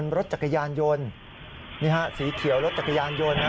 รถจักรยานยนต์นี่ฮะสีเขียวรถจักรยานยนต์